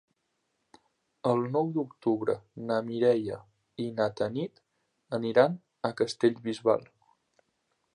El nou d'octubre na Mireia i na Tanit aniran a Castellbisbal.